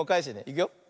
いくよ。